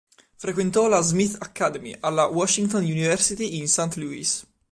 Frequentò la Smith Academy alla Washington University in St. Louis.